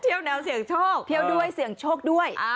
แนวเสี่ยงโชคเที่ยวด้วยเสี่ยงโชคด้วย